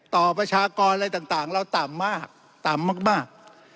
ประชากรอะไรต่างเราต่ำมากต่ำมาก